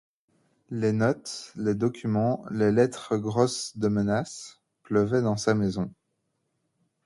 Les notes, les documents, les lettres grosses de menaces pleuvaient dans sa maison.